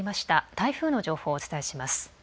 台風の情報をお伝えします。